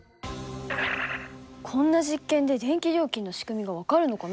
こんな実験で電気料金の仕組みが分かるのかな？